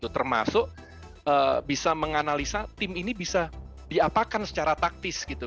termasuk bisa menganalisa tim ini bisa diapakan secara taktis gitu